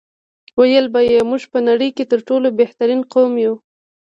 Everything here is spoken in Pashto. ویل به یې موږ په نړۍ کې تر ټولو بهترین قوم یو.